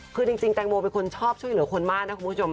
คือจริงแตงโมเป็นคนชอบช่วยเหลือคนมากนะคุณผู้ชม